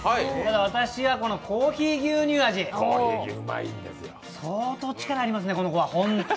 私はコーヒー牛乳味、相当力ありますね、この子は。